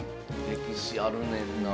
歴史あるねんな。